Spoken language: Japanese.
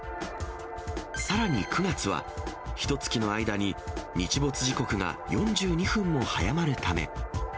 さらに９月は、ひとつきの間に日没時刻が４２分も早まるため。